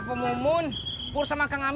tunggu dulu mits adal semoga makannya